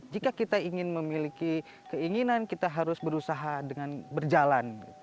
jika kita ingin memiliki keinginan kita harus berusaha dengan berjalan